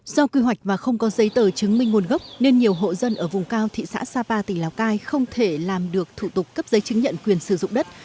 do quy hoạch mà không có giấy tờ chứng minh nguồn gốc nên nhiều hộ dân ở vùng cao thị xã sapa tỉnh lào cai không thể làm được thủ tục cấp giấy chứng nhận quyền sử dụng đất